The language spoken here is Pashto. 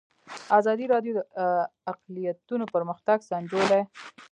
ازادي راډیو د اقلیتونه پرمختګ سنجولی.